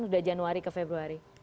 sudah januari ke februari